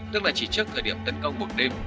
tức là chỉ trước thời điểm tấn công một đêm